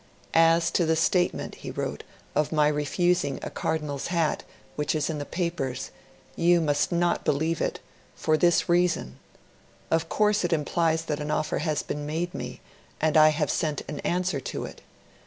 'As to the statement,' he wrote, 'of my refusing a Cardinal's Hat, which is in the papers, you must not believe it, for this reason: 'Of course, it implies that an offer has been made me, and I have sent an answer to it.